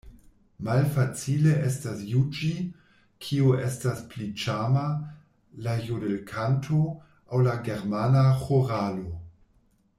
Malfacile estas juĝi, kio estas pli ĉarma, la jodelkanto aŭ la germana ĥoralo.